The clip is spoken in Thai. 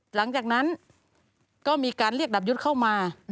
หลังจากนั้นก็มีการเรียกดับยุทธ์เข้ามา